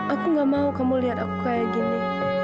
aku gak mau kamu lihat aku kayak gini